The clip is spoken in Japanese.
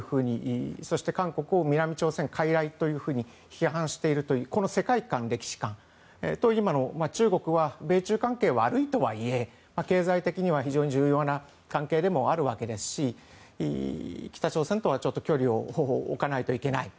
そして韓国を南朝鮮かいらいというふうに批判しているというこの世界観、歴史観と今の中国は米中関係が悪いとはいえ、経済的には非常に重要な関係でもあるわけですし北朝鮮とはちょっと距離を置かないといけない。